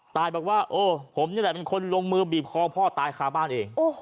บอกว่าโอ้ผมนี่แหละเป็นคนลงมือบีบคอพ่อตายคาบ้านเอง